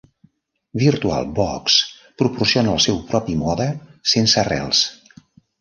VirtualBox proporciona el seu propi mode sense arrels.